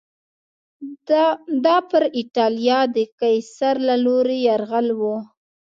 دا پر اېټالیا د قیصر له لوري یرغل و